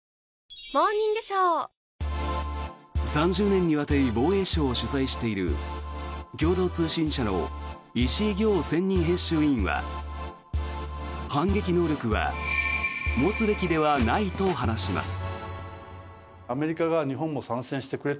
３０年にわたり防衛省を取材している共同通信社の石井暁専任編集委員は反撃能力は持つべきではないと話します。